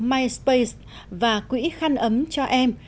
myspace và quỹ khăn ấm cho em